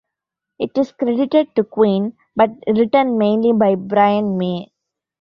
It is credited to Queen, but written mainly by Brian May.